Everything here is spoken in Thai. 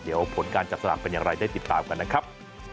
เดี๋ยวผลการจับสนามเป็นอย่างไรได้ติดตามกันนะครับ